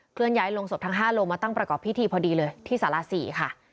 เลื่อนย้ายลงศพทั้ง๕โรงมาตั้งประกอบพิธีพอดีเลยที่สารา๔ค่ะ